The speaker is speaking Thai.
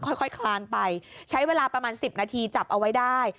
ค่อยคลานไปใช้เวลาประมาณ๑๐นาทีจับเอาไว้ได้